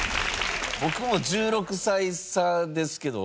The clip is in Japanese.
僕も１６歳差ですけど。